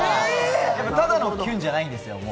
ただのキュンじゃないんですよ。